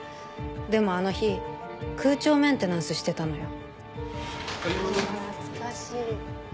でもあの日空調メンテナンスしてたのよ。